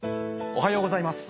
おはようございます。